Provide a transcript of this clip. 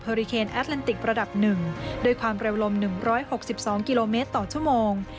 ริเคนแอดแลนติกระดับ๑ด้วยความเร็วลม๑๖๒กิโลเมตรต่อชั่วโมง